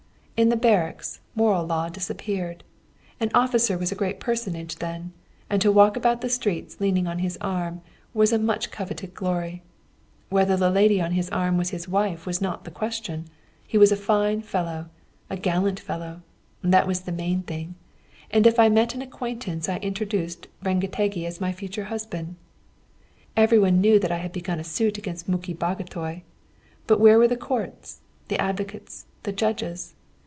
In the barracks, moral law disappeared. An officer was a great personage then, and to walk about the streets leaning on his arm was a much coveted glory. Whether the lady on his arm was his wife was not the question he was a fine fellow, a gallant fellow. That was the main thing. And if I met an acquaintance I introduced Rengetegi as my future husband. Every one knew that I had begun a suit against Muki Bagotay. But where were the courts, the advocates, the judges?